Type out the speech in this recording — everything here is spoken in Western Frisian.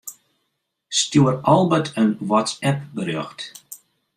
Stjoer Albert in WhatsApp-berjocht.